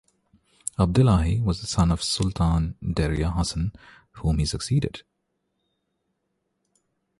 Abdillahi was the son of Sultan Deria Hassan whom he succeeded.